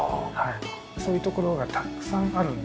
そういうところがたくさんあるので。